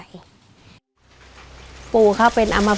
พี่น้องของหนูก็ช่วยย่าทำงานค่ะ